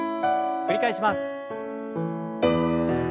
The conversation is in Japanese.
繰り返します。